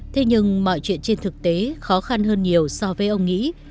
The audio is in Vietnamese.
thế nhưng mọi chuyện trên thực tế khó khăn hơn nhiều so với ông nghĩ